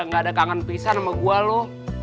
lu gak ada kangen pisah sama gue lu